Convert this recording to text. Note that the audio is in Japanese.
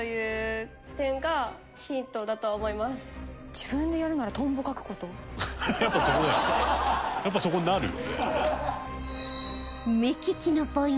自分でするならやっぱそこになるよね。